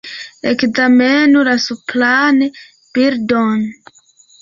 Ekzamenu la supran bildon.